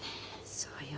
そうよ。